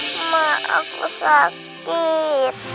ma aku sakit